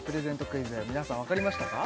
クイズ皆さんわかりましたか？